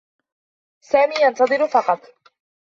سامي ينتظر فقط.